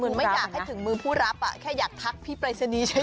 ไม่อยากให้ถึงมือผู้รับแค่อยากทักพี่ปรายศนีย์เฉย